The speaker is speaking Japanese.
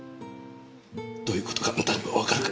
どういう事かあんたにはわかるか？